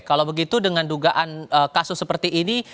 kalau begitu dengan dugaan kasus seperti ini